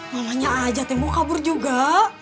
mamanya ajad yang mau kabur juga